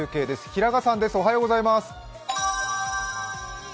平賀さんです、おはようございます。